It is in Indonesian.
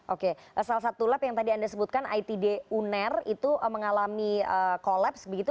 oke salah satu lab yang tadi anda sebutkan itd uner itu mengalami kolaps begitu